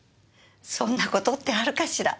そんな事ってあるかしら？